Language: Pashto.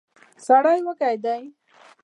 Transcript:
سړی وږی دی.